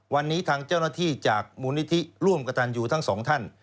วันนี้ทางเจ้าหน้าที่จากมูลนิธิร่วมกระตันยูทั้งสองท่าน